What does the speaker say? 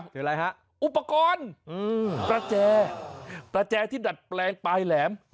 หรืออะไรฮะอุปกรณ์ประแจประแจที่ดัดแปลงปลายแหลม